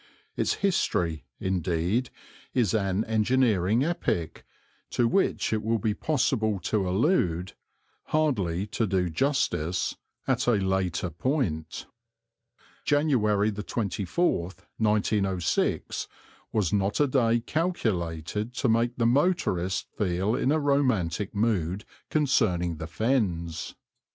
Its history, indeed, is an engineering epic, to which it will be possible to allude, hardly to do justice, at a later point. January 24, 1906, was not a day calculated to make the motorist feel in a romantic mood concerning the Fens.